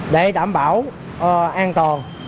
để đảm bảo an toàn